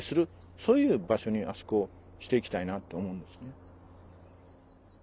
そういう場所にあそこをして行きたいなと思うんですね。